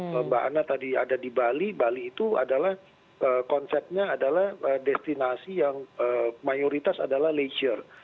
mbak anna tadi ada di bali bali itu adalah konsepnya adalah destinasi yang mayoritas adalah leisure